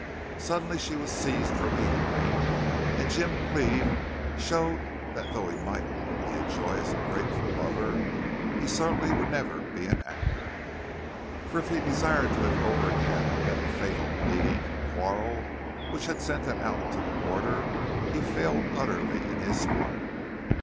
Suddenly she was seized from behind, and Jim Cleve showed that though he might be a joyous and grateful lover, he certainly would never be an actor. For if he desired to live over again that fatal meeting and quarrel which had sent them out to the border, he failed utterly in his part.